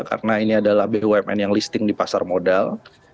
karena ini adalah bumn yang listing di pasar modal